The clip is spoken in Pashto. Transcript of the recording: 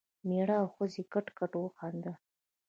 مېړه او ښځې کټ کټ وخندل.